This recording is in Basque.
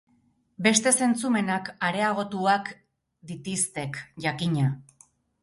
Beste zentzumenak areagotuak ditiztek, jakina.